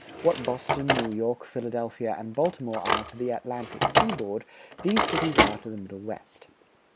What Boston, New York, Philadelphia, and Baltimore are to the Atlantic seaboard these cities are to the Middle West.